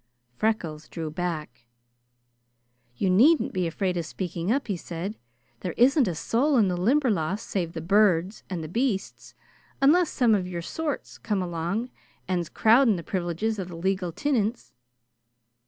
Freckles drew back. "You needn't be afraid of speaking up," he said. "There isn't a soul in the Limberlost save the birds and the beasts, unless some of your sort's come along and's crowding the privileges of the legal tinints."